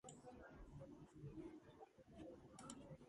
სვანტე არენიუსის გავლენით გადაწყვიტა ემუშავა ფიზიკურ ქიმიაში.